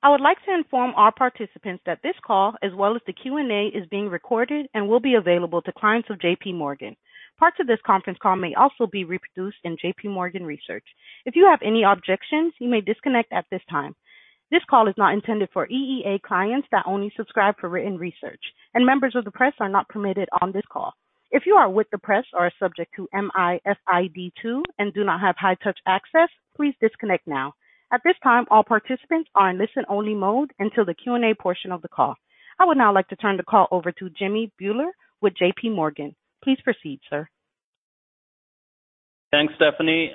I would like to inform our participants that this call, as well as the Q&A, is being recorded and will be available to clients of JPMorgan. Parts of this conference call may also be reproduced in JPMorgan research. If you have any objections, you may disconnect at this time. This call is not intended for EEA clients that only subscribe for written research, and members of the press are not permitted on this call. If you are with the press or are subject to MiFID II and do not have high-touch access, please disconnect now. At this time, all participants are in listen-only mode until the Q&A portion of the call. I would now like to turn the call over to Jimmy Bhullar with JPMorgan. Please proceed, sir. Thanks, Stephanie.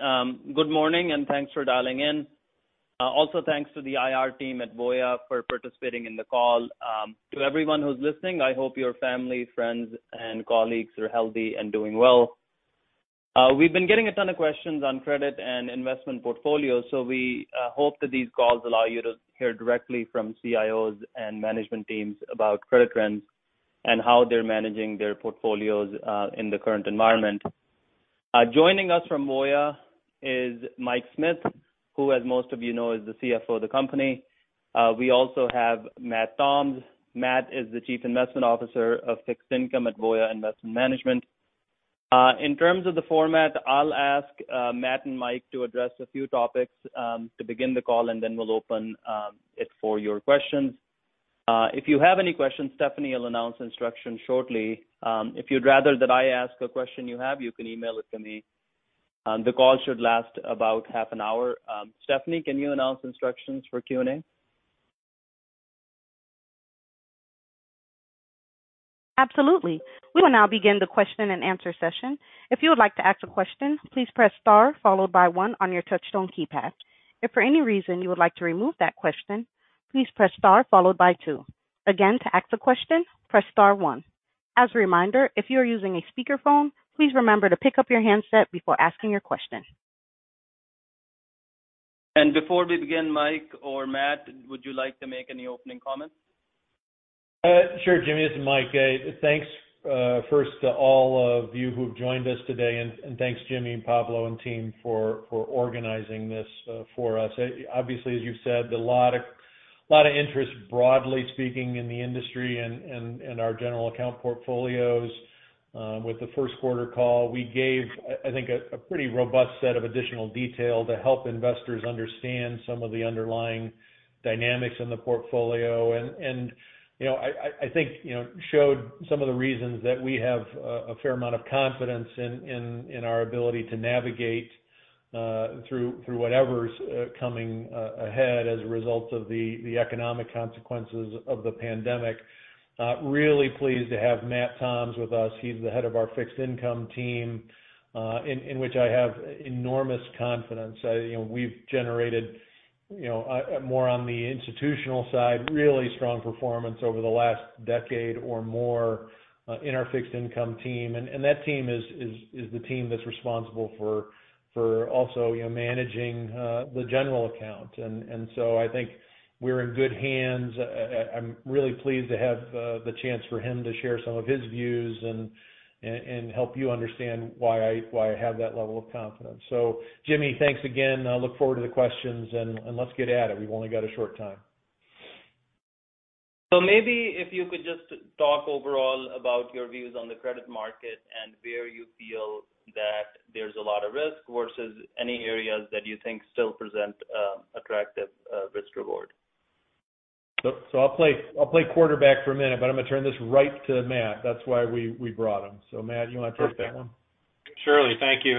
Good morning, and thanks for dialing in. Also, thanks to the IR team at Voya for participating in the call. To everyone who is listening, I hope your family, friends, and colleagues are healthy and doing well. We have been getting a ton of questions on credit and investment portfolios, so we hope that these calls allow you to hear directly from CIOs and management teams about credit trends and how they are managing their portfolios in the current environment. Joining us from Voya is Mike Katz, who, as most of you know, is the CFO of the company. We also have Matt Toms. Matt is the Chief Investment Officer of Fixed Income at Voya Investment Management. In terms of the format, I will ask Matt and Mike to address a few topics to begin the call, and then we will open it for your questions. If you have any questions, Stephanie will announce instructions shortly. If you would rather that I ask a question you have, you can email it to me. The call should last about half an hour. Stephanie, can you announce instructions for Q&A? Absolutely. We will now begin the question-and-answer session. If you would like to ask a question, please press star followed by one on your touchtone keypad. If for any reason you would like to remove that question, please press star followed by two. Again, to ask a question, press star one. As a reminder, if you are using a speakerphone, please remember to pick up your handset before asking your question. Before we begin, Mike or Matt, would you like to make any opening comments? Sure, Jimmy. This is Mike. Thanks first to all of you who have joined us today, and thanks, Jimmy and Pablo and team, for organizing this for us. Obviously, as you've said, a lot of interest, broadly speaking, in the industry and our general account portfolios. With the first quarter call, we gave, I think, a pretty robust set of additional detail to help investors understand some of the underlying dynamics in the portfolio. I think showed some of the reasons that we have a fair amount of confidence in our ability to navigate through whatever's coming ahead as a result of the economic consequences of the pandemic. Really pleased to have Matt Toms with us. He's the head of our fixed income team, in which I have enormous confidence. We've generated, more on the institutional side, really strong performance over the last decade or more in our fixed income team. That team is the team that's responsible for also managing the general account. I think we're in good hands. I'm really pleased to have the chance for him to share some of his views and help you understand why I have that level of confidence. Jimmy, thanks again. I look forward to the questions, and let's get at it. We've only got a short time. Maybe if you could just talk overall about your views on the credit market and where you feel that there's a lot of risk versus any areas that you think still present attractive risk-reward. I'll play quarterback for a minute, but I'm going to turn this right to Matt. That's why we brought him. Matt, you want to take that one? Surely. Thank you.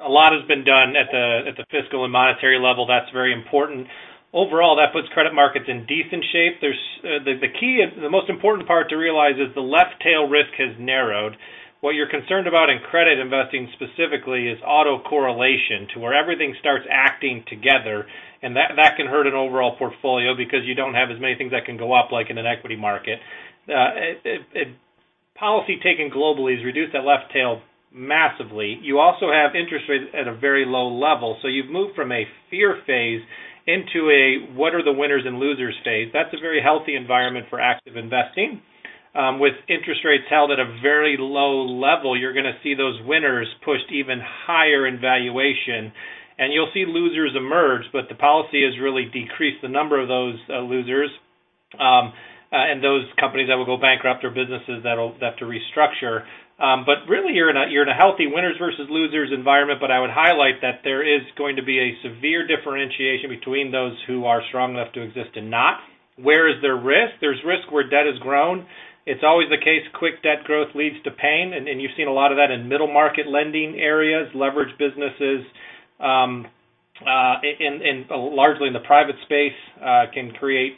A lot has been done at the fiscal and monetary level. That's very important. Overall, that puts credit markets in decent shape. The most important part to realize is the left tail risk has narrowed. What you're concerned about in credit investing specifically is autocorrelation to where everything starts acting together, and that can hurt an overall portfolio because you don't have as many things that can go up like in an equity market. Policy taken globally has reduced that left tail massively. You also have interest rates at a very low level. You've moved from a fear phase into a what-are-the-winners-and-losers phase. That's a very healthy environment for active investing. With interest rates held at a very low level, you're going to see those winners pushed even higher in valuation, and you'll see losers emerge, but the policy has really decreased the number of those losers, and those companies that will go bankrupt or businesses that have to restructure. You're in a healthy winners versus losers environment, but I would highlight that there is going to be a severe differentiation between those who are strong enough to exist and not. Where is there risk? There's risk where debt has grown. It's always the case, quick debt growth leads to pain, and you've seen a lot of that in middle-market lending areas, leveraged businesses, largely in the private space, can create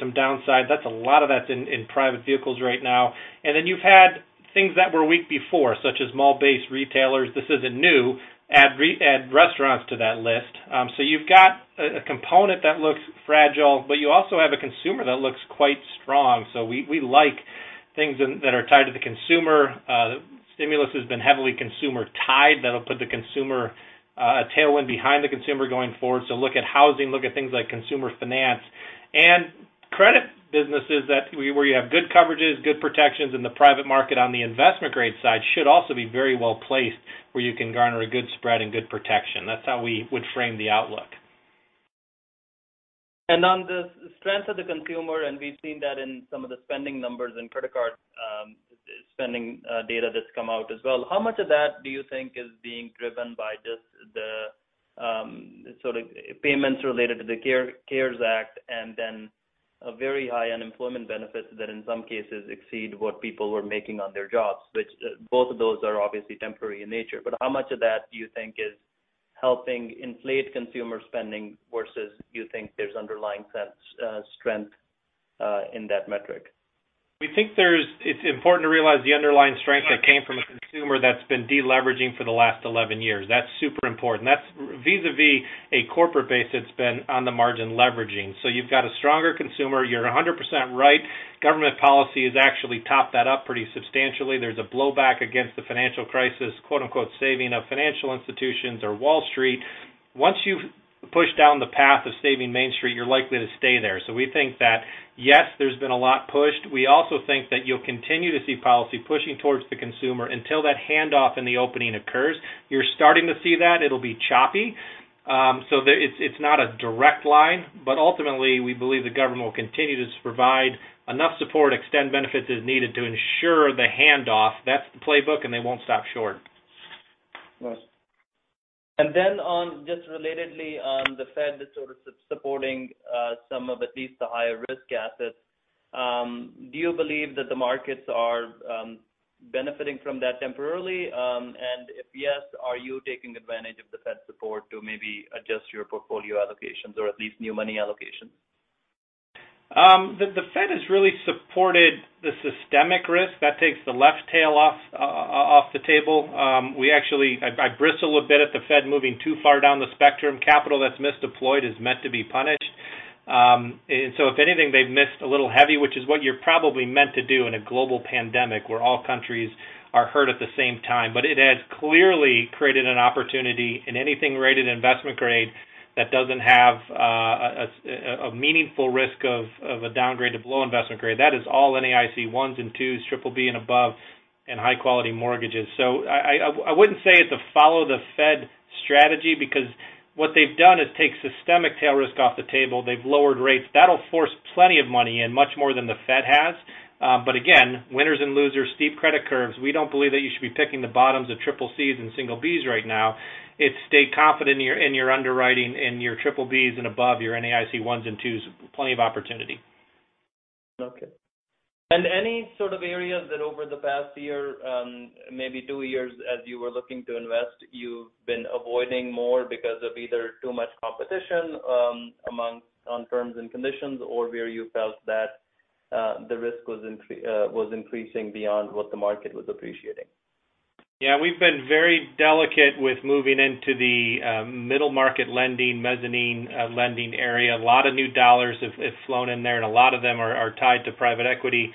some downside. A lot of that's in private vehicles right now. You've had things that were weak before, such as mall-based retailers. This isn't new. Add restaurants to that list. You've got a component that looks fragile, but you also have a consumer that looks quite strong. We like things that are tied to the consumer. Stimulus has been heavily consumer-tied. That'll put the consumer, a tailwind behind the consumer going forward. Look at housing, look at things like consumer finance. Credit businesses where you have good coverages, good protections in the private market on the investment-grade side should also be very well-placed where you can garner a good spread and good protection. That's how we would frame the outlook. On the strength of the consumer, and we've seen that in some of the spending numbers and credit card spending data that's come out as well. How much of that do you think is being driven by just the sort of payments related to the CARES Act and then very high unemployment benefits that in some cases exceed what people were making on their jobs? Which both of those are obviously temporary in nature. How much of that do you think is helping inflate consumer spending versus do you think there's underlying strength in that metric? We think it's important to realize the underlying strength that came from a consumer that's been de-leveraging for the last 11 years. That's super important. That's vis-a-vis a corporate base that's been on the margin leveraging. You've got a stronger consumer. You're 100% right. Government policy has actually topped that up pretty substantially. There's a blowback against the financial crisis, quote-unquote, "saving of financial institutions or Wall Street." Once you've pushed down the path of saving Main Street, you're likely to stay there. We think that, yes, there's been a lot pushed. We also think that you'll continue to see policy pushing towards the consumer until that handoff in the opening occurs. You're starting to see that. It'll be choppy. It's not a direct line, but ultimately, we believe the government will continue to provide enough support, extend benefits as needed to ensure the handoff. That's the playbook, and they won't stop short. Nice. Then on just relatedly on the Fed that's sort of supporting some of at least the higher-risk assets. Do you believe that the markets are benefiting from that temporarily? If yes, are you taking advantage of the Fed support to maybe adjust your portfolio allocations or at least new money allocations? The Fed has really supported the systemic risk. That takes the left tail off the table. I bristle a bit at the Fed moving too far down the spectrum. Capital that's misdeployed is meant to be punished. If anything, they've missed a little heavy, which is what you're probably meant to do in a global pandemic where all countries are hurt at the same time. It has clearly created an opportunity in anything rated investment grade that doesn't have a meaningful risk of a downgrade to below investment grade. That is all NAIC 1s and 2s, triple B and above, and high-quality mortgages. I wouldn't say it's a follow the Fed strategy because what they've done is take systemic tail risk off the table. They've lowered rates. That'll force plenty of money in, much more than the Fed has. Again, winners and losers, steep credit curves. We don't believe that you should be picking the bottoms of triple Cs and single Bs right now. It's stay confident in your underwriting in your triple Bs and above, your NAIC 1s and 2s. Plenty of opportunity. Okay. Any sort of areas that over the past year, maybe two years, as you were looking to invest, you've been avoiding more because of either too much competition amongst on terms and conditions, or where you felt that the risk was increasing beyond what the market was appreciating? Yeah, we've been very delicate with moving into the middle-market lending, mezzanine lending area. A lot of new dollars have flown in there, and a lot of them are tied to private equity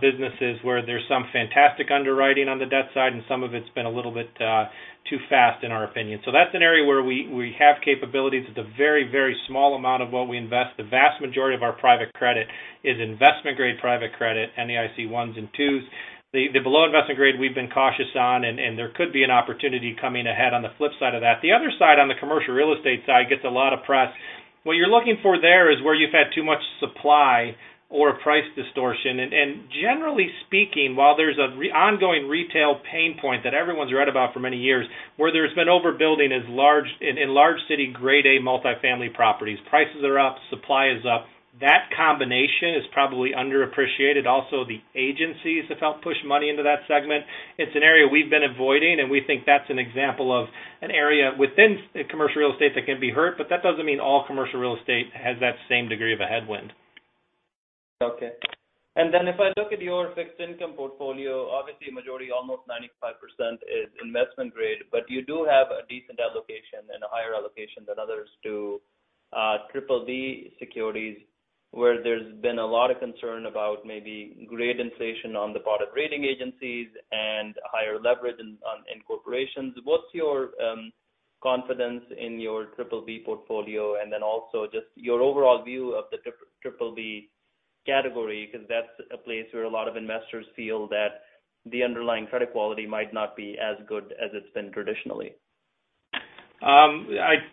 businesses where there's some fantastic underwriting on the debt side, and some of it's been a little bit too fast in our opinion. That's an area where we have capabilities. It's a very small amount of what we invest. The vast majority of our private credit is investment-grade private credit, NAIC 1s and 2s. The below investment grade we've been cautious on, and there could be an opportunity coming ahead on the flip side of that. The other side on the commercial real estate side gets a lot of press. What you're looking for there is where you've had too much supply or price distortion. Generally speaking, while there's an ongoing retail pain point that everyone's read about for many years, where there's been overbuilding is in large city grade A multifamily properties. Prices are up, supply is up. That combination is probably underappreciated. The agencies have helped push money into that segment. It's an area we've been avoiding, and we think that's an example of an area within commercial real estate that can be hurt, but that doesn't mean all commercial real estate has that same degree of a headwind. If I look at your fixed income portfolio, obviously a majority, almost 95%, is investment grade, but you do have a decent allocation and a higher allocation than others to triple B securities, where there's been a lot of concern about maybe grade inflation on the part of rating agencies and higher leverage in corporations. What's your confidence in your triple B portfolio? Also just your overall view of the triple B category because that's a place where a lot of investors feel that the underlying credit quality might not be as good as it's been traditionally. I'd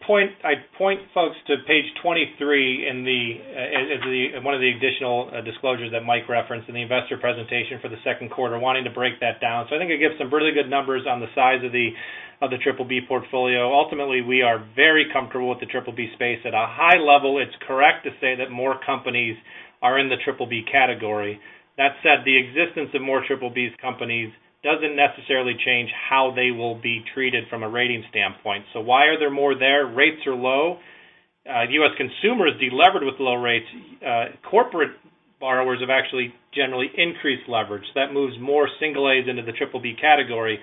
point folks to page 23 in one of the additional disclosures that Mike referenced in the investor presentation for the second quarter, wanting to break that down. I think it gives some really good numbers on the size of the triple B portfolio. Ultimately, we are very comfortable with the triple B space. At a high level, it's correct to say that more companies are in the triple B category. That said, the existence of more triple B companies doesn't necessarily change how they will be treated from a rating standpoint. Why are there more there? Rates are low. If U.S. consumers delevered with low rates, corporate borrowers have actually generally increased leverage. That moves more single A's into the triple B category.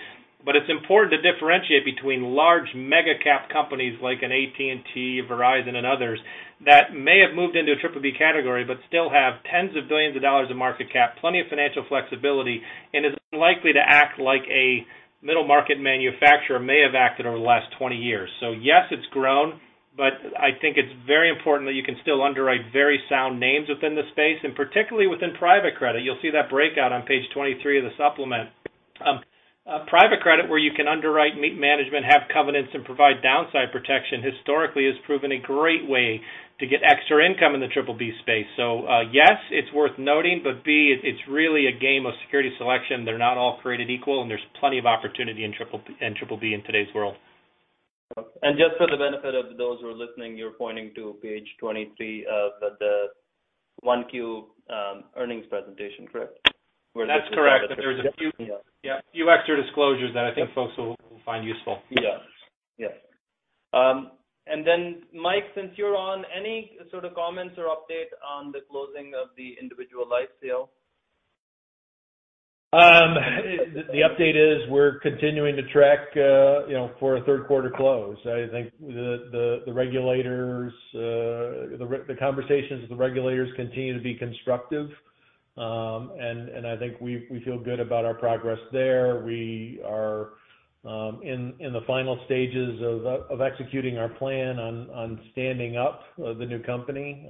It's important to differentiate between large mega-cap companies like an AT&T, Verizon, and others that may have moved into a triple B category but still have tens of billions of dollars of market cap, plenty of financial flexibility, and is unlikely to act like a Middle market manufacturer may have acted over the last 20 years. Yes, it's grown, but I think it's very important that you can still underwrite very sound names within the space, and particularly within private credit. You'll see that breakout on page 23 of the supplement. Private credit, where you can underwrite, meet management, have covenants, and provide downside protection, historically has proven a great way to get extra income in the BBB space. Yes, it's worth noting, but B, it's really a game of security selection. They're not all created equal, and there's plenty of opportunity in BBB in today's world. Just for the benefit of those who are listening, you're pointing to page 23 of the 1Q earnings presentation, correct? That's correct. Yeah few extra disclosures that I think folks will find useful. Yes. Mike, since you're on, any sort of comments or update on the closing of the individual life sale? The update is we're continuing to track for a third quarter close. I think the conversations with the regulators continue to be constructive. I think we feel good about our progress there. We are in the final stages of executing our plan on standing up the new company.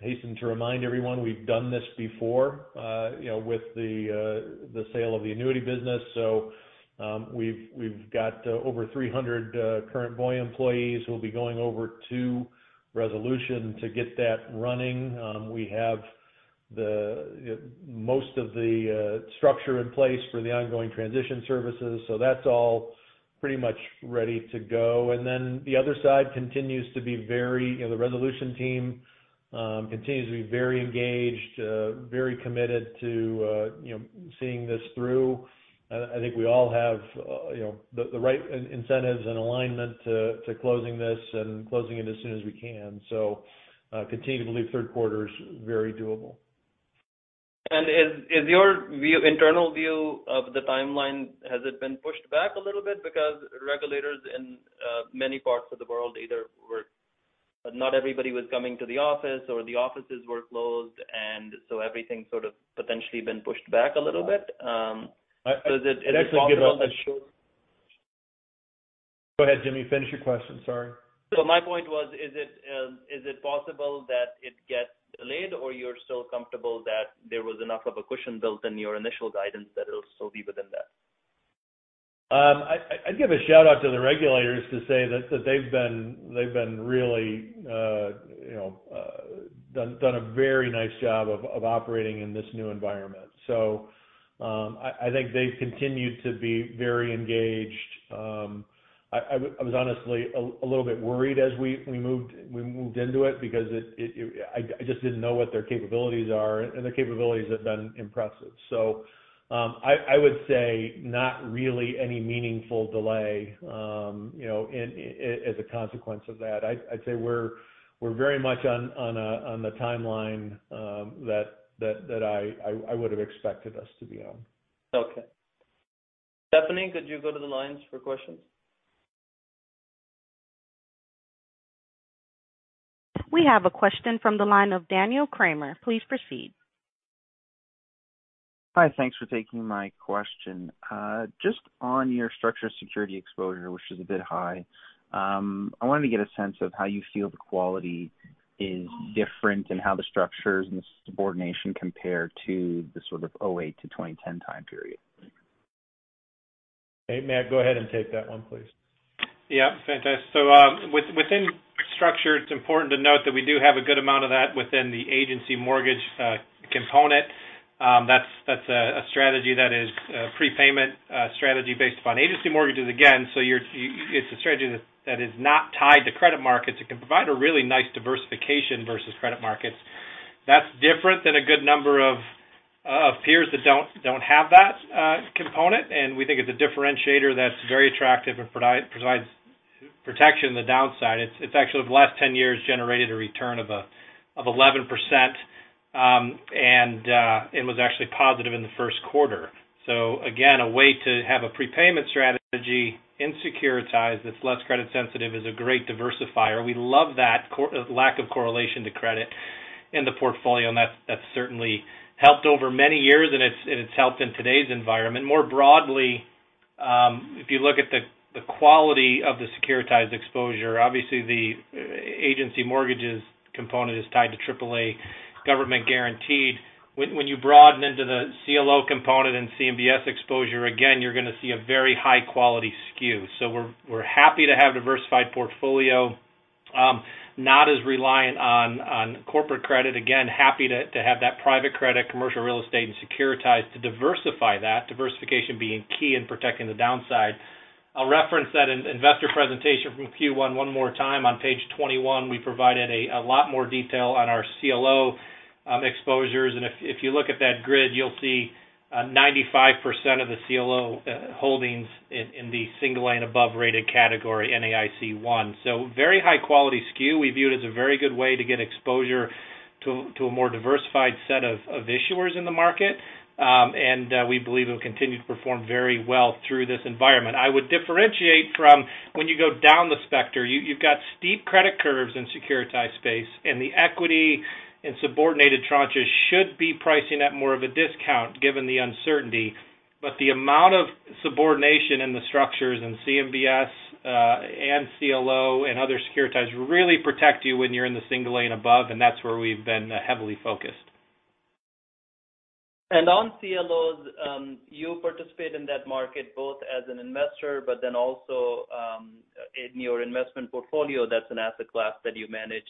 Hasten to remind everyone, we've done this before with the sale of the annuity business. We've got over 300 current Voya employees who will be going over to Resolution to get that running. We have most of the structure in place for the ongoing transition services. That's all pretty much ready to go. The Resolution team continues to be very engaged, very committed to seeing this through. I think we all have the right incentives and alignment to closing this and closing it as soon as we can. Continue to believe third quarter is very doable. Is your internal view of the timeline, has it been pushed back a little bit? Because regulators in many parts of the world either not everybody was coming to the office or the offices were closed, everything sort of potentially been pushed back a little bit. Is it possible that- Go ahead, Jimmy. Finish your question, sorry. My point was, is it possible that it gets delayed or you're still comfortable that there was enough of a cushion built in your initial guidance that it'll still be within that? I'd give a shout-out to the regulators to say that they've done a very nice job of operating in this new environment. I think they've continued to be very engaged. I was honestly a little bit worried as we moved into it because I just didn't know what their capabilities are. Their capabilities have been impressive. I would say not really any meaningful delay as a consequence of that. I'd say we're very much on the timeline that I would've expected us to be on. Okay. Stephanie, could you go to the lines for questions? We have a question from the line of Daniel Cramer. Please proceed. Hi. Thanks for taking my question. Just on your structured security exposure, which is a bit high. I wanted to get a sense of how you feel the quality is different and how the structures and the subordination compare to the sort of 2008 to 2010 time period. Hey, Matt, go ahead and take that one, please. Yeah. Fantastic. Within structured, it's important to note that we do have a good amount of that within the agency mortgage component. That's a strategy that is a prepayment strategy based upon agency mortgages again. It's a strategy that is not tied to credit markets and can provide a really nice diversification versus credit markets. That's different than a good number of peers that don't have that component. We think it's a differentiator that's very attractive and provides protection on the downside. It's actually, over the last 10 years, generated a return of 11%, and it was actually positive in the first quarter. Again, a way to have a prepayment strategy in securitized that's less credit sensitive is a great diversifier. We love that lack of correlation to credit in the portfolio, and that's certainly helped over many years, and it's helped in today's environment. More broadly, if you look at the quality of the securitized exposure, obviously the agency mortgages component is tied to AAA government guaranteed. When you broaden into the CLO component and CMBS exposure, again, you're going to see a very high-quality skew. We're happy to have a diversified portfolio, not as reliant on corporate credit. Again, happy to have that private credit, commercial real estate, and securitized to diversify that. Diversification being key in protecting the downside. I'll reference that in investor presentation from Q1 one more time. On page 21, we provided a lot more detail on our CLO exposures, and if you look at that grid, you'll see 95% of the CLO holdings in the single and above rated category, NAIC 1. Very high-quality skew. We view it as a very good way to get exposure to a more diversified set of issuers in the market. We believe it'll continue to perform very well through this environment. I would differentiate from when you go down the spectrum. You've got steep credit curves in securitized space, and the equity and subordinated tranches should be pricing at more of a discount given the uncertainty. The amount of subordination in the structures in CMBS and CLO and other securitizations really protect you when you're in the single A and above, and that's where we've been heavily focused. On CLOs, you participate in that market both as an investor but then also in your investment portfolio, that's an asset class that you manage.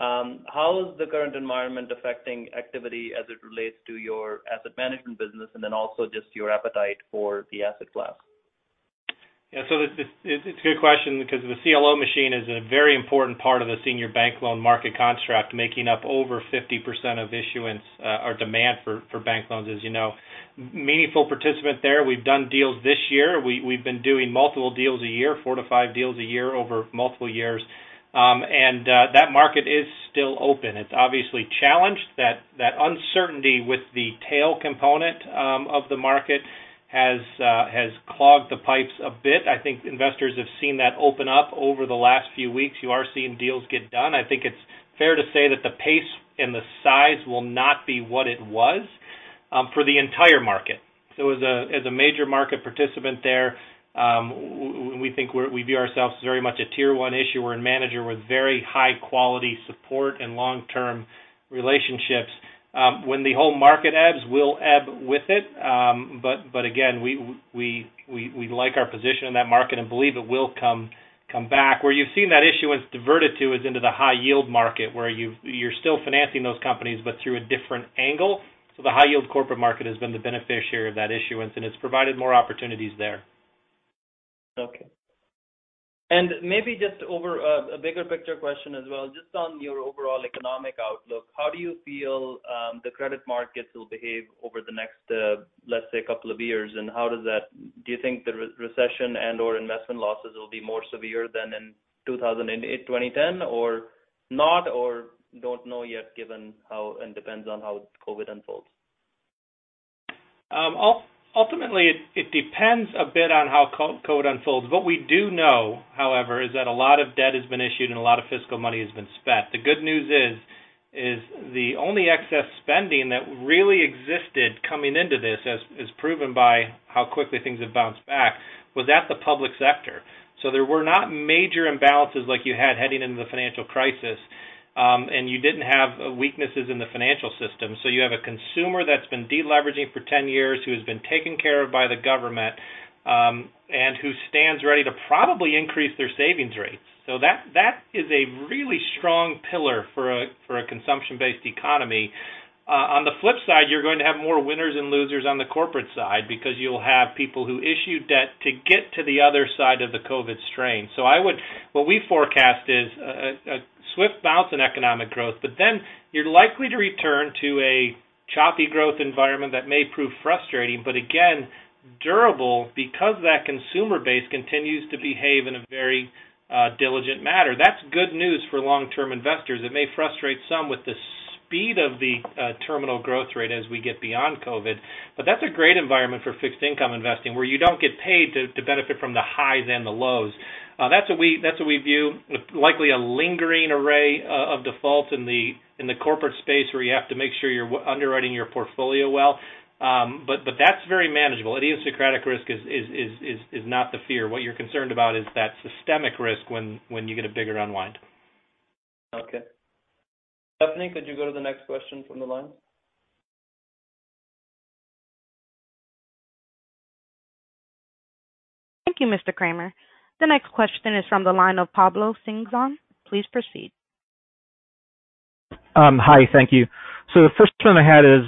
How is the current environment affecting activity as it relates to your asset management business, and then also just your appetite for the asset class? It's a good question because the CLO machine is a very important part of the senior bank loan market construct, making up over 50% of issuance or demand for bank loans, as you know. Meaningful participant there. We've done deals this year. We've been doing multiple deals a year, four to five deals a year over multiple years. That market is still open. It's obviously challenged. That uncertainty with the tail component of the market has clogged the pipes a bit. I think investors have seen that open up over the last few weeks. You are seeing deals get done. I think it's fair to say that the pace and the size will not be what it was for the entire market. As a major market participant there, we view ourselves as very much a tier 1 issuer and manager with very high-quality support and long-term relationships. When the whole market ebbs, we'll ebb with it. Again, we like our position in that market and believe it will come back. Where you've seen that issuance diverted to is into the high yield market, where you're still financing those companies, but through a different angle. The high yield corporate market has been the beneficiary of that issuance, and it's provided more opportunities there. Okay. Maybe just a bigger picture question as well, just on your overall economic outlook. How do you feel the credit markets will behave over the next, let's say, couple of years? Do you think the recession and/or investment losses will be more severe than in 2008, 2010, or not, or don't know yet, given how, and depends on how COVID unfolds? Ultimately, it depends a bit on how COVID unfolds. What we do know, however, is that a lot of debt has been issued, and a lot of fiscal money has been spent. The good news is the only excess spending that really existed coming into this, as proven by how quickly things have bounced back, was at the public sector. There were not major imbalances like you had heading into the financial crisis, and you didn't have weaknesses in the financial system. You have a consumer that's been de-leveraging for 10 years, who has been taken care of by the government, and who stands ready to probably increase their savings rates. That is a really strong pillar for a consumption-based economy. On the flip side, you're going to have more winners and losers on the corporate side because you'll have people who issued debt to get to the other side of the COVID strain. What we forecast is a swift bounce in economic growth, you're likely to return to a choppy growth environment that may prove frustrating but again, durable because that consumer base continues to behave in a very diligent manner. That's good news for long-term investors. It may frustrate some with the speed of the terminal growth rate as we get beyond COVID, that's a great environment for fixed income investing, where you don't get paid to benefit from the highs and the lows. That's what we view with likely a lingering array of defaults in the corporate space where you have to make sure you're underwriting your portfolio well. That's very manageable. Idiosyncratic risk is not the fear. What you're concerned about is that systemic risk when you get a bigger unwind. Okay. Stephanie, could you go to the next question from the line? Thank you, Mr. Cramer. The next question is from the line of Pablo Singzon. Please proceed. Hi. Thank you. The first one I had is,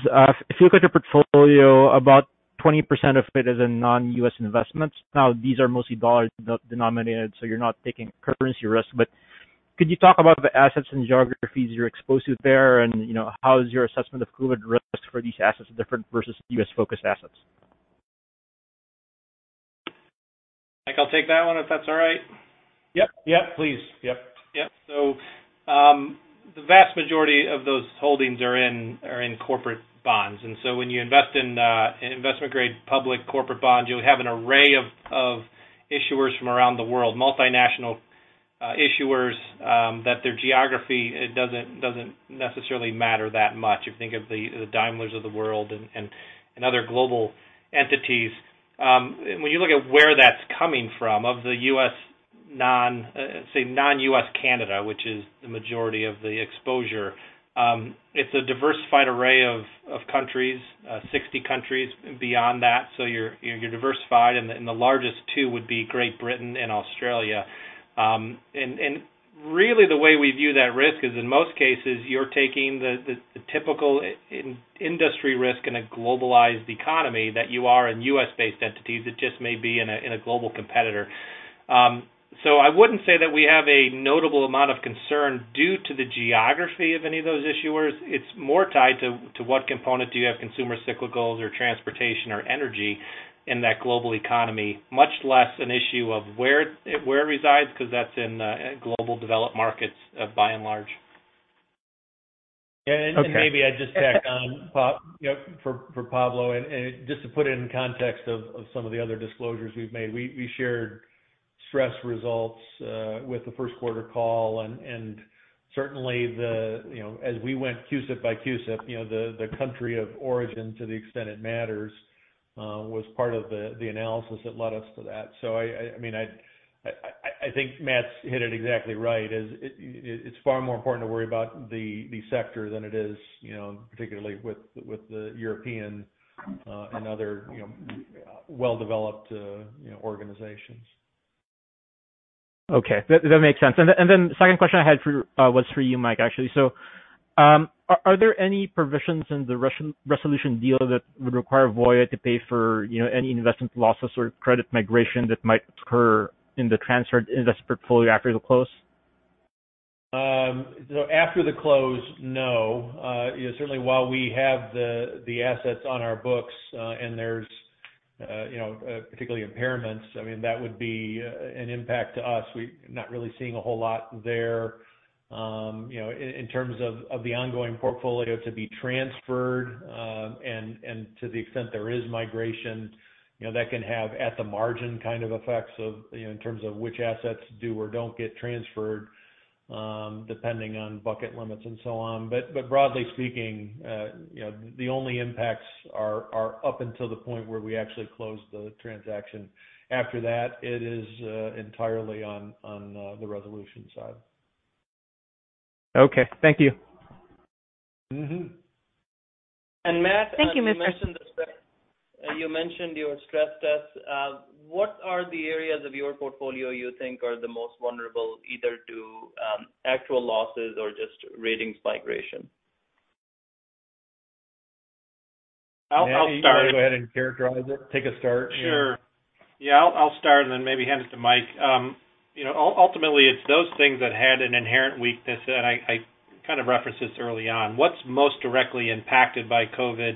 if you look at your portfolio, about 20% of it is in non-U.S. investments. These are mostly dollar-denominated, so you're not taking currency risk. Could you talk about the assets and geographies you're exposed to there, and how is your assessment of COVID risk for these assets different versus U.S.-focused assets? Mike, I'll take that one if that's all right. Yep. Please. Yep. Yep. The vast majority of those holdings are in corporate bonds. When you invest in investment-grade public corporate bonds, you'll have an array of issuers from around the world, multinational issuers, that their geography doesn't necessarily matter that much. You think of the Daimler of the world and other global entities. When you look at where that's coming from, of the, say, non-U.S., Canada, which is the majority of the exposure, it's a diversified array of countries, 60 countries beyond that. You're diversified, and the largest two would be Great Britain and Australia. Really the way we view that risk is in most cases, you're taking the typical industry risk in a globalized economy that you are in U.S.-based entities. It just may be in a global competitor. I wouldn't say that we have a notable amount of concern due to the geography of any of those issuers. It's more tied to what component do you have, consumer cyclicals or transportation or energy in that global economy, much less an issue of where it resides, because that's in global developed markets by and large. Yeah. Maybe I'd just tack on, for Pablo, just to put it in context of some of the other disclosures we've made. We shared stress results with the first quarter call. Certainly, as we went CUSIP by CUSIP, the country of origin to the extent it matters, was part of the analysis that led us to that. I think Matt's hit it exactly right. It's far more important to worry about the sector than it is particularly with the European and other well-developed organizations. Okay. That makes sense. The second question I had was for you, Mike, actually. Are there any provisions in the Resolution deal that would require Voya to pay for any investment losses or credit migration that might occur in the transferred investment portfolio after the close? After the close, no. Certainly while we have the assets on our books and there's particularly impairments, that would be an impact to us. We're not really seeing a whole lot there in terms of the ongoing portfolio to be transferred. To the extent there is migration, that can have at-the-margin kind of effects in terms of which assets do or don't get transferred, depending on bucket limits and so on. Broadly speaking, the only impacts are up until the point where we actually close the transaction. After that, it is entirely on the Resolution side. Okay. Thank you. Matt. Thank you, Mr. Singzon. You mentioned your stress test. What are the areas of your portfolio you think are the most vulnerable, either to actual losses or just ratings migration? Matt, you want to go ahead and characterize it? Take a start. Sure. Yeah, I'll start and then maybe hand it to Mike. Ultimately it's those things that had an inherent weakness, and I kind of referenced this early on. What's most directly impacted by COVID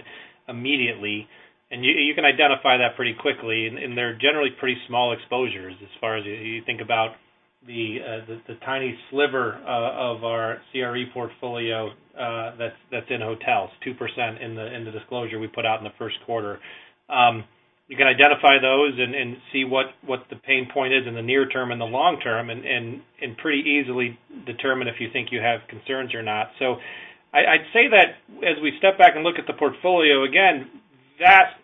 immediately? You can identify that pretty quickly, and they're generally pretty small exposures as far as you think about the tiny sliver of our CRE portfolio that's in hotels, 2% in the disclosure we put out in the first quarter. You can identify those and see what the pain point is in the near term and the long term, and pretty easily determine if you think you have concerns or not. I'd say that as we step back and look at the portfolio, again, vast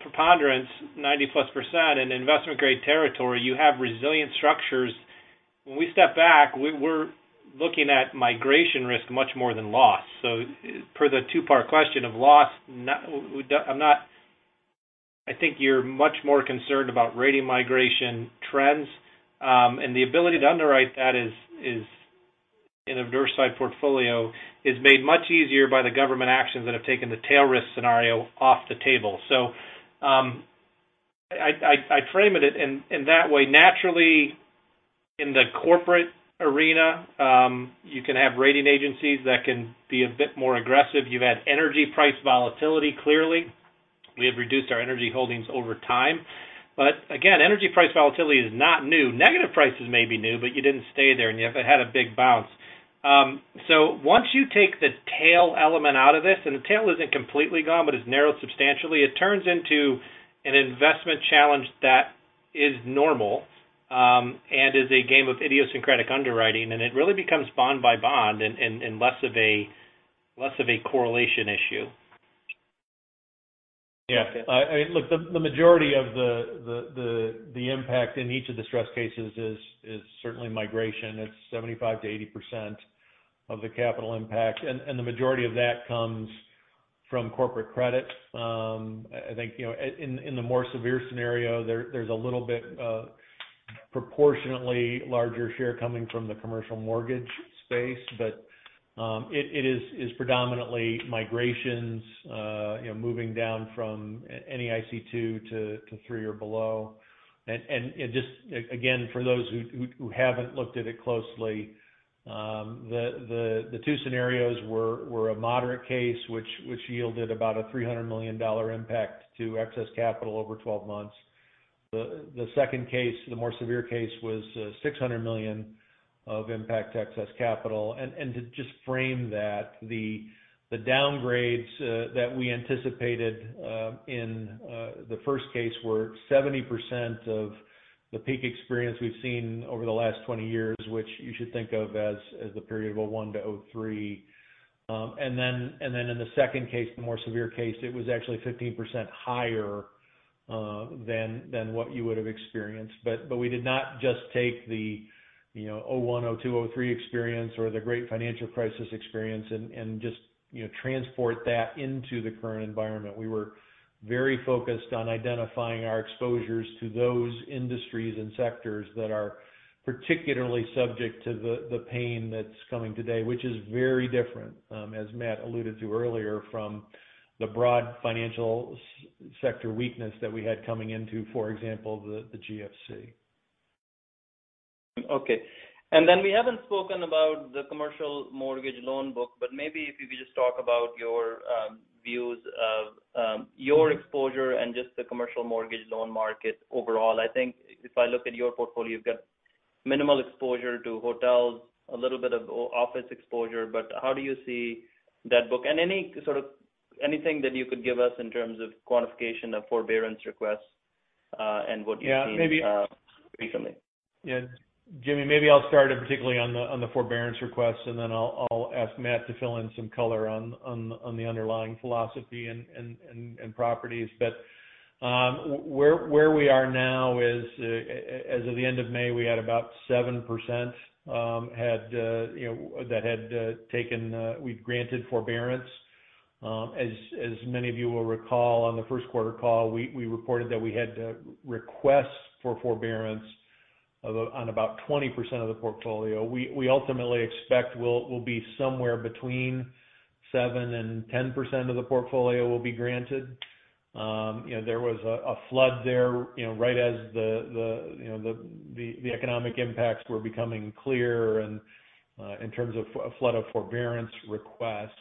preponderance, 90-plus% in investment-grade territory, you have resilient structures. When we step back, we're looking at migration risk much more than loss. For the two-part question of loss, I think you're much more concerned about rating migration trends. The ability to underwrite that in an adverse side portfolio is made much easier by the government actions that have taken the tail risk scenario off the table. I frame it in that way. Naturally, in the corporate arena, you can have rating agencies that can be a bit more aggressive. You've had energy price volatility, clearly. We have reduced our energy holdings over time. Again, energy price volatility is not new. Negative prices may be new, but you didn't stay there, and it had a big bounce. Once you take the tail element out of this, the tail isn't completely gone, but it's narrowed substantially, it turns into an investment challenge that is normal, is a game of idiosyncratic underwriting, it really becomes bond by bond and less of a correlation issue. Look, the majority of the impact in each of the stress cases is certainly migration. It's 75%-80% of the capital impact. The majority of that comes from corporate credit. I think in the more severe scenario, there's a little bit proportionately larger share coming from the commercial mortgage space. It is predominantly migrations, moving down from NAIC 2 to 3 or below. Just again, for those who haven't looked at it closely, the two scenarios were a moderate case, which yielded about a $300 million impact to excess capital over 12 months. The second case, the more severe case, was $600 million of impact to excess capital. To just frame that, the downgrades that we anticipated in the first case were 70% of the peak experience we've seen over the last 20 years, which you should think of as the period of 2001 to 2003. In the second case, the more severe case, it was actually 15% higher than what you would have experienced. We did not just take the 2001, 2002, 2003 experience or the Great Financial Crisis experience and just transport that into the current environment. We were very focused on identifying our exposures to those industries and sectors that are particularly subject to the pain that's coming today, which is very different, as Matt alluded to earlier, from the broad financial sector weakness that we had coming into, for example, the GFC. Okay. Then we haven't spoken about the commercial mortgage loan book, maybe if you could just talk about your views of your exposure and just the commercial mortgage loan market overall. I think if I look at your portfolio, you've got minimal exposure to hotels, a little bit of office exposure. How do you see that book? Anything that you could give us in terms of quantification of forbearance requests, and what you've seen? Yeah. -recently. Yeah. Jimmy, maybe I'll start particularly on the forbearance requests, then I'll ask Matt to fill in some color on the underlying philosophy and properties. Where we are now is, as of the end of May, we had about 7% that we'd granted forbearance. As many of you will recall on the first quarter call, we reported that we had requests for forbearance on about 20% of the portfolio. We ultimately expect will be somewhere between 7%-10% of the portfolio will be granted. There was a flood there, right as the economic impacts were becoming clear and in terms of a flood of forbearance requests.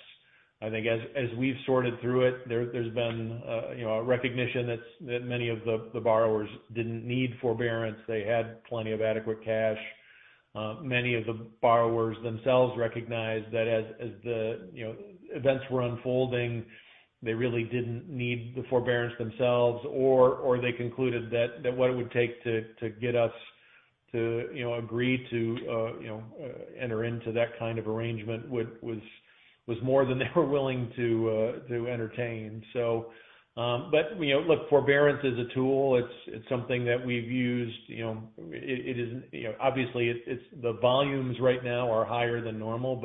I think as we've sorted through it, there's been a recognition that many of the borrowers didn't need forbearance. They had plenty of adequate cash. Many of the borrowers themselves recognized that as the events were unfolding, they really didn't need the forbearance themselves, or they concluded that what it would take to get us to agree to enter into that kind of arrangement was more than they were willing to entertain. Look, forbearance is a tool. It's something that we've used. Obviously, the volumes right now are higher than normal,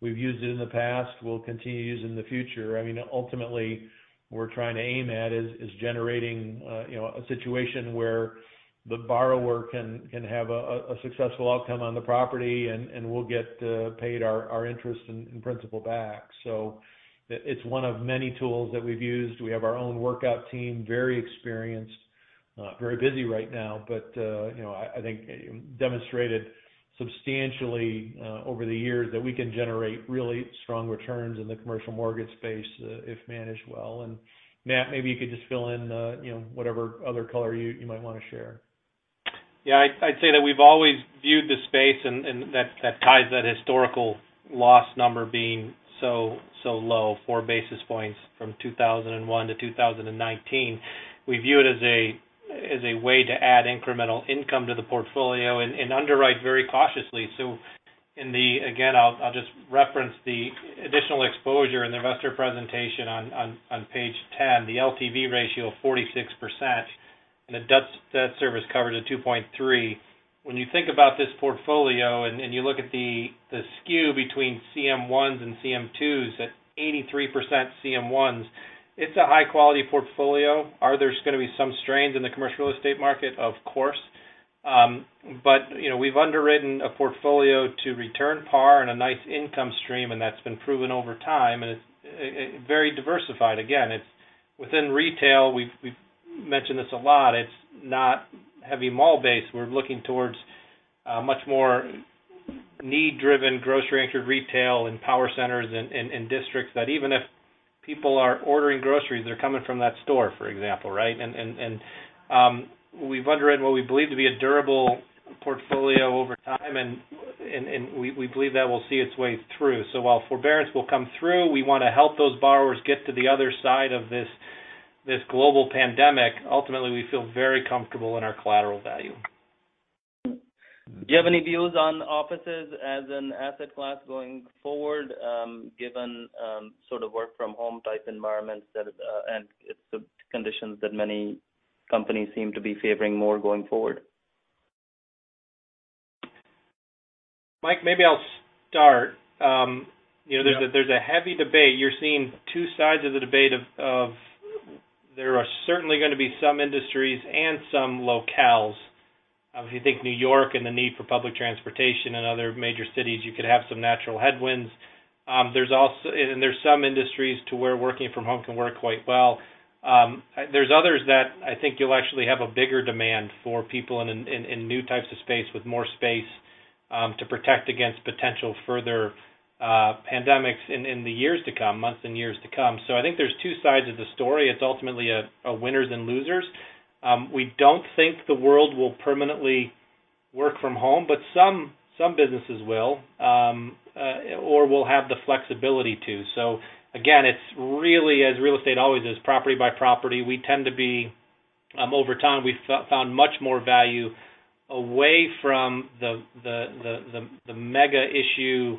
we've used it in the past. We'll continue to use it in the future. Ultimately, we're trying to aim at is generating a situation where the borrower can have a successful outcome on the property, and we'll get paid our interest and principal back. It's one of many tools that we've used. We have our own workout team, very experienced, very busy right now. I think demonstrated substantially over the years that we can generate really strong returns in the commercial mortgage space, if managed well. Matt, maybe you could just fill in whatever other color you might want to share. Yeah. I'd say that we've always viewed the space, and that ties that historical loss number being so low, four basis points from 2001 to 2019. We view it as a way to add incremental income to the portfolio and underwrite very cautiously. Again, I'll just reference the additional exposure in the investor presentation on page 10, the LTV ratio of 46%, and the debt service coverage of 2.3. When you think about this portfolio and you look at the skew between CM1s and CM2s at 83% CM1s, it's a high-quality portfolio. Are there going to be some strains in the commercial real estate market? Of course. We've underwritten a portfolio to return par and a nice income stream, and that's been proven over time, and it's very diversified. Again, within retail, we've mentioned this a lot, it's not heavy mall-based. We're looking towards a much more need-driven, grocery-anchored retail and power centers in districts that even if people are ordering groceries, they're coming from that store, for example. Right? We've underwritten what we believe to be a durable portfolio over time, and we believe that will see its way through. While forbearance will come through, we want to help those borrowers get to the other side of this global pandemic. Ultimately, we feel very comfortable in our collateral value. Do you have any views on offices as an asset class going forward, given sort of work-from-home type environments and conditions that many companies seem to be favoring more going forward? Mike, maybe I'll start. Yeah. There's a heavy debate. You're seeing two sides of the debate of there are certainly going to be some industries and some locales. If you think New York and the need for public transportation and other major cities, you could have some natural headwinds. There's some industries to where working from home can work quite well. There's others that I think you'll actually have a bigger demand for people in new types of space with more space to protect against potential further pandemics in the years to come, months and years to come. I think there's two sides of the story. It's ultimately a winners and losers. We don't think the world will permanently work from home, but some businesses will. Will have the flexibility to. Again, it's really as real estate always is, property by property. Over time, we've found much more value away from the mega issue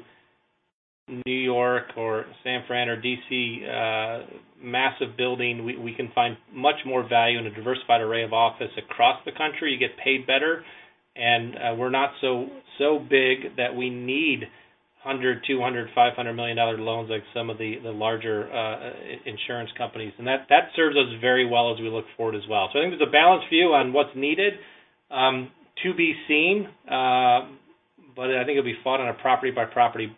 New York or San Fran or D.C. massive building. We can find much more value in a diversified array of office across the country. You get paid better, we're not so big that we need $100 million, $200 million, $500 million loans like some of the larger insurance companies. That serves us very well as we look forward as well. I think there's a balanced view on what's needed to be seen, but I think it'll be fought on a property-by-property basis.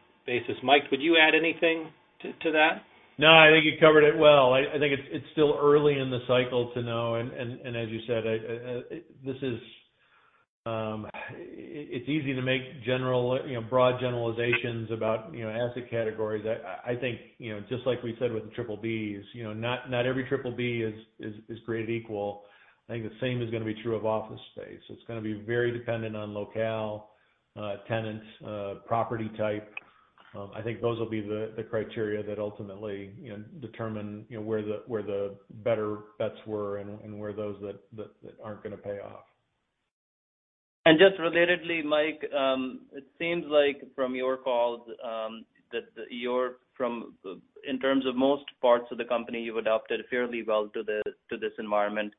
Mike, would you add anything to that? I think you covered it well. I think it's still early in the cycle to know, as you said, it's easy to make broad generalizations about asset categories. I think just like we said with the BBBs, not every BBB is created equal. I think the same is going to be true of office space. It's going to be very dependent on locale, tenants, property type, I think those will be the criteria that ultimately determine where the better bets were and where those that aren't going to pay off. Just relatedly, Mike, it seems like from your calls, that in terms of most parts of the company, you've adapted fairly well to this environment.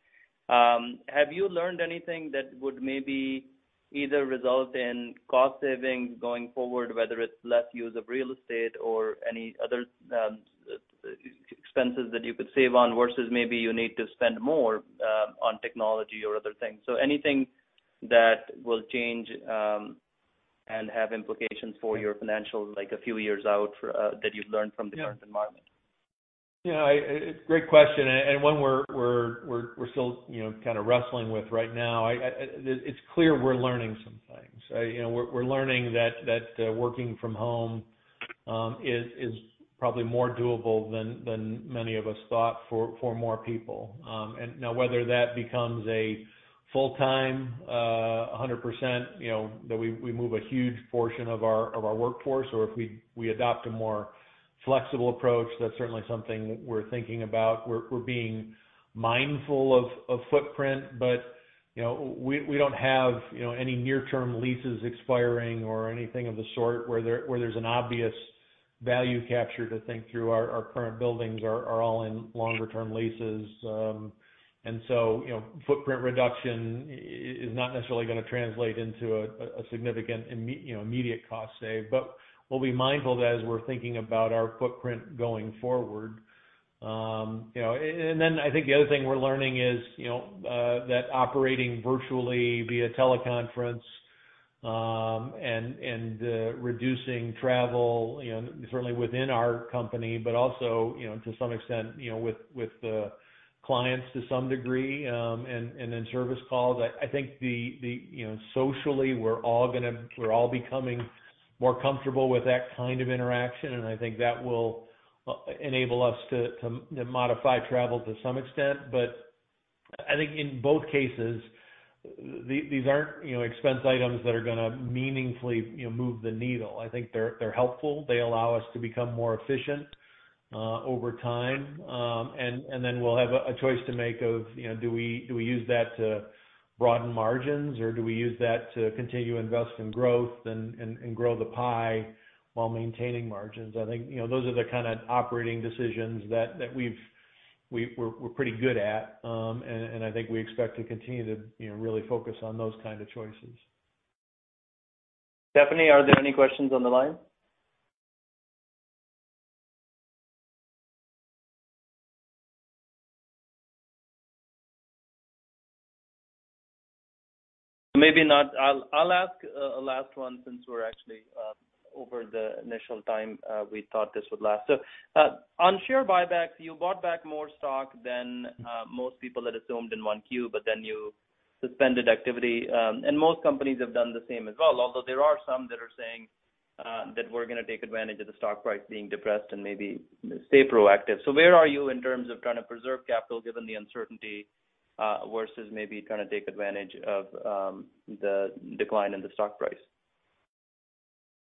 Have you learned anything that would maybe either result in cost savings going forward, whether it's less use of real estate or any other expenses that you could save on, versus maybe you need to spend more on technology or other things? Anything that will change and have implications for your financials a few years out that you've learned from the current environment? Yeah. Great question, one we're still kind of wrestling with right now. It's clear we're learning some things. We're learning that working from home is probably more doable than many of us thought for more people. Now whether that becomes a full-time, 100%, that we move a huge portion of our workforce, or if we adopt a more flexible approach, that's certainly something we're thinking about. We're being mindful of footprint, we don't have any near-term leases expiring or anything of the sort where there's an obvious value capture to think through. Our current buildings are all in longer-term leases. Footprint reduction is not necessarily going to translate into a significant immediate cost save. We'll be mindful that as we're thinking about our footprint going forward. I think the other thing we're learning is that operating virtually via teleconference, and reducing travel, certainly within our company, but also to some extent, with the clients to some degree, and then service calls. I think socially, we're all becoming more comfortable with that kind of interaction, and I think that will enable us to modify travel to some extent. I think in both cases, these aren't expense items that are going to meaningfully move the needle. I think they're helpful. They allow us to become more efficient over time. We'll have a choice to make of do we use that to broaden margins, or do we use that to continue to invest in growth and grow the pie while maintaining margins? I think those are the kind of operating decisions that we're pretty good at. I think we expect to continue to really focus on those kind of choices. Stephanie, are there any questions on the line? Maybe not. I'll ask a last one since we're actually over the initial time we thought this would last. On share buybacks, you bought back more stock than most people had assumed in 1Q, but then you suspended activity. Most companies have done the same as well, although there are some that are saying that we're going to take advantage of the stock price being depressed and maybe stay proactive. Where are you in terms of trying to preserve capital given the uncertainty, versus maybe trying to take advantage of the decline in the stock price?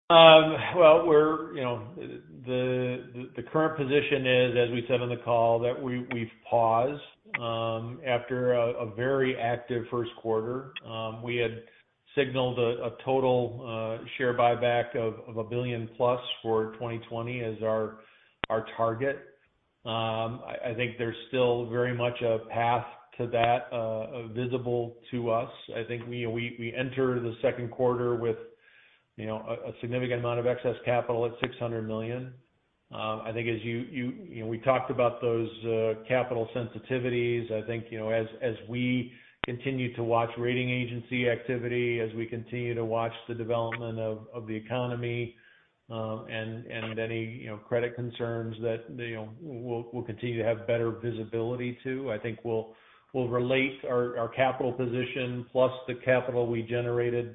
The current position is, as we said on the call, that we've paused after a very active first quarter. We had signaled a total share buyback of a billion-plus for 2020 as our target. I think there's still very much a path to that visible to us. I think we enter the second quarter with a significant amount of excess capital at $600 million. We talked about those capital sensitivities. I think as we continue to watch rating agency activity, as we continue to watch the development of the economy, and any credit concerns that we'll continue to have better visibility to, I think we'll relate our capital position plus the capital we generated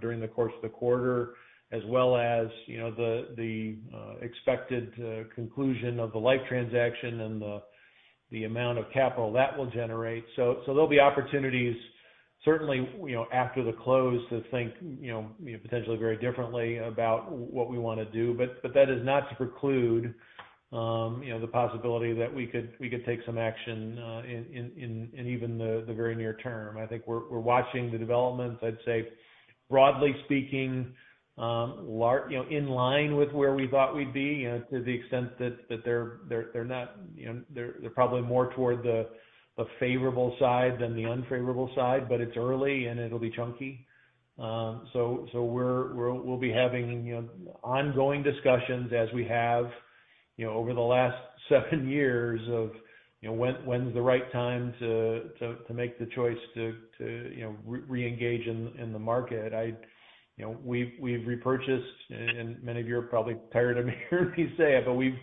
during the course of the quarter, as well as the expected conclusion of the Life transaction and the amount of capital that will generate. There'll be opportunities, certainly after the close, to think potentially very differently about what we want to do. That is not to preclude the possibility that we could take some action in even the very near term. I think we're watching the developments. I'd say broadly speaking, in line with where we thought we'd be, to the extent that they're probably more toward the favorable side than the unfavorable side, but it's early, and it'll be chunky. We'll be having ongoing discussions as we have over the last seven years of when's the right time to make the choice to reengage in the market. We've repurchased, and many of you are probably tired of me saying it, but we've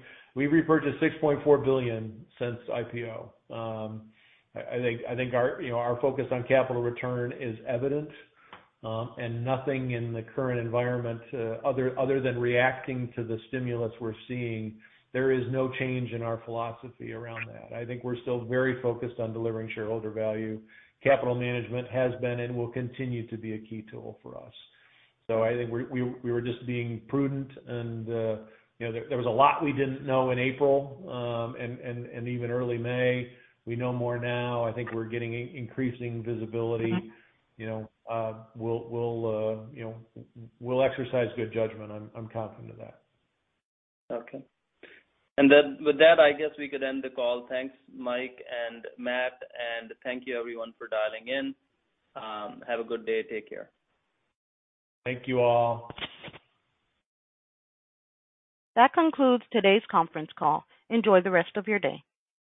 repurchased $6.4 billion since IPO. I think our focus on capital return is evident. Nothing in the current environment, other than reacting to the stimulus we're seeing, there is no change in our philosophy around that. I think we're still very focused on delivering shareholder value. Capital management has been and will continue to be a key tool for us. I think we were just being prudent and there was a lot we didn't know in April, and even early May. We know more now. I think we're getting increasing visibility. We'll exercise good judgment, I'm confident of that. With that, I guess we could end the call. Thanks, Mike and Matt, and thank you everyone for dialing in. Have a good day. Take care. Thank you all. That concludes today's conference call. Enjoy the rest of your day.